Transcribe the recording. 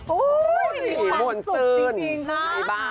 โอ้โฮสุขจริงค่ะ